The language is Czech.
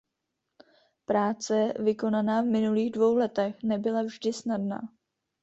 Práce vykonaná v minulých dvou letech nebyla vždy snadná.